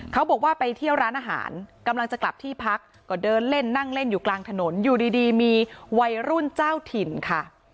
เขาบอกว่าไปเที่ยวร้านอาหารกำลังจะกลับที่พักก็เดินเล่นนั่งเล่นอยู่กลางถนนอยู่ดีมีวัยรุ่นเจ้าถิ่นค่ะ